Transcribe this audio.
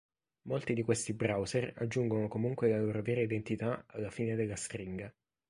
Molti di questi browser aggiungono comunque la loro vera identità alla fine della stringa.